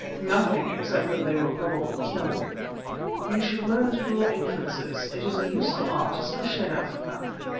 "Nothing, except that they were probably killed." "You should learn to draw inferences. It is a useful art, especially in Africa.